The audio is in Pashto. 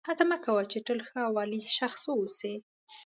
هڅه مه کوه چې تل ښه او عالي شخص واوسې.